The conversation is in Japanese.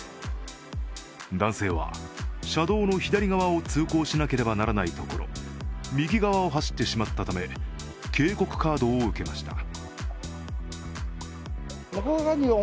男性は、車道の左側を通行しなければならないところ、右側を走ってしまったため警告カードを受けました。